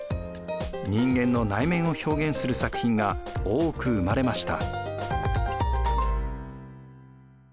人間の内面を表現する作品が多く生まれました。